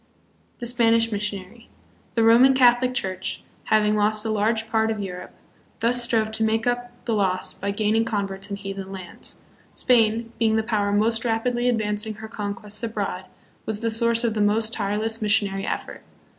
The Spanish Missionary. The Roman Catholic Church, having lost a large part of Europe, thus strove to make up the loss by gaining converts in heathen lands. Spain, being the power most rapidly advancing her conquests abroad, was the source of the most tireless missionary effort.